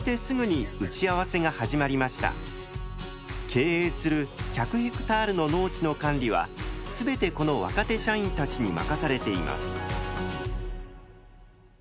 経営する１００ヘクタールの農地の管理はすべてこの若手社員たちに任されています。